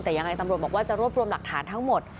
แต่ยังไงตำรวจบอกว่าจะรวบรวมหลักฐานทั้งหมด